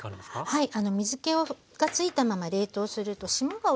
はい。